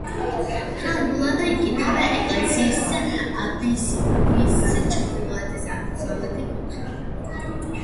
ფრაგმენტულად იკითხება ეკლესიის აბსიდის ჩრდილო-აღმოსავლეთი კუთხე.